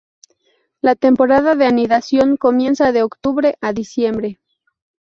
La temporada de anidación comienza de octubre a diciembre.